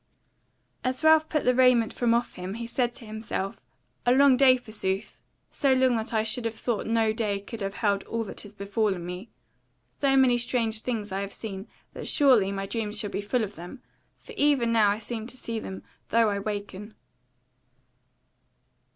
As Ralph put the raiment from off him he said to himself a long day forsooth, so long that I should have thought no day could have held all that has befallen me. So many strange things have I seen, that surely my dreams shall be full of them; for even now I seem to see them, though I waken.